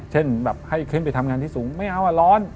เช่นแบบให้ขึ้นไปทำงานที่สูงไม่เอาอ่ะร้อน